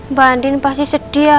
mbak andin pasti sedia